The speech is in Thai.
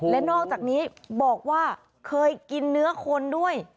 และนอกจากนี้บอกว่าเคยกินเนื้อคนด้วย